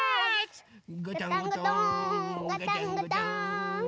ガタンゴトーンガタンゴトーン。